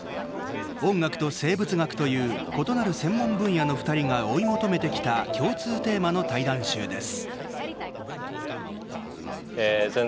音楽と生物学という異なる専門分野の２人が追い求めてきた共通テーマの対談集です。